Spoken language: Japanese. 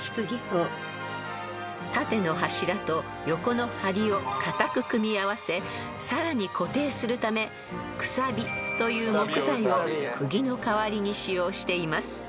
［縦の柱と横の梁を固く組み合わせさらに固定するためくさびという木材を釘の代わりに使用しています］